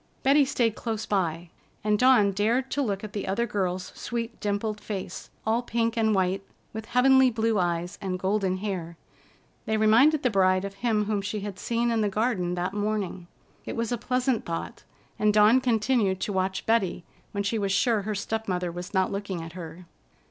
Betty stayed close by, and Dawn dared to look at the other girl's sweet dimpled face, all pink and white, with heavenly blue eyes and golden hair. They reminded the bride of him whom she had seen in the garden that morning. It was a pleasant thought, and Dawn continued to watch Betty, when she was sure her step mother was not looking at her.